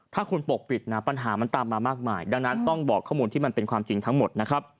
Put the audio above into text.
ถ้าคุณปกปิดนะปัญหามันตามมามากมายดังนั้นต้องบอกข้อมูลที่มันเป็นความจริงทั้งหมดนะครับ